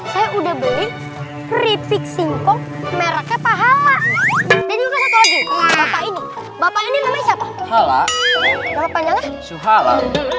saya udah beli prefixing kok merahnya pahala ini bapak ini namanya siapa kalau banyak suhala